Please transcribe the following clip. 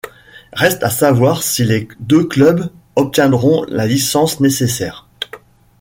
Reste à savoir si les deux clubs obtiendront la licence nécessaire.